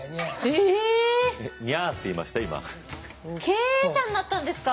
経営者になったんですか？